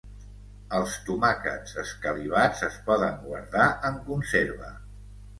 Els tomàquets escalivats es poden guardar en conserva.